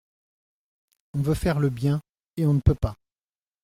On veut faire le bien et on ne peut pas.